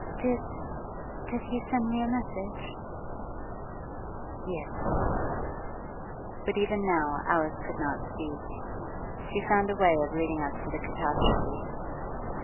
'Did did he send me a message?' 'Yes.' But even now Alice could not speak. She found a way of leading up to the catastrophe.